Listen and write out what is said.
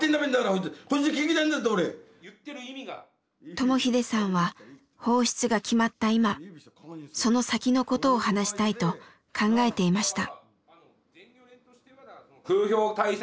智英さんは放出が決まった今その先のことを話したいと考えていました。